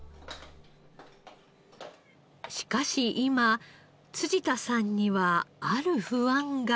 しかし今辻田さんにはある不安が。